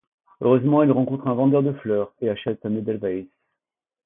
Heureusement il rencontre un vendeur de fleurs et achète un edelweiss.